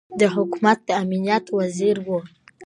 د حکومت د امنیت وزیر ؤ